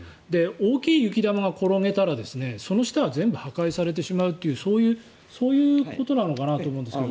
大きい雪玉が転がったらその下は全部破壊されてしまうというそういうことなのかなと思うんですけど。